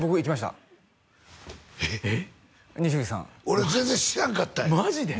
俺全然知らんかったマジで？